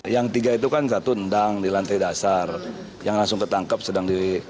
yang tiga itu kan satu endang di lantai dasar yang langsung ketangkap sedang di